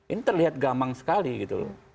ini terlihat gamang sekali gitu loh